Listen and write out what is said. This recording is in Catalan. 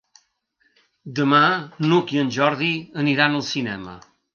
Demà n'Hug i en Jordi aniran al cinema.